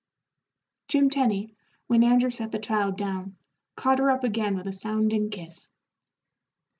Jim Tenny, when Andrew set the child down, caught her up again with a sounding kiss.